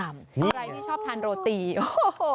ใครที่ชอบทานโรตีโอ้โห